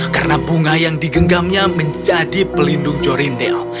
karena bunga yang digenggamnya menjadi pelindung jorindel